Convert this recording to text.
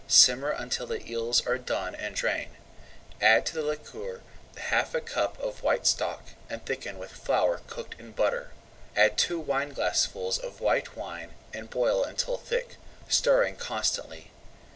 Simmer until the eels are done and drain. Add to the liquor half a cupful of white stock, and thicken with flour cooked in butter. Add two wineglassfuls of white wine and boil until thick, stirring constantly.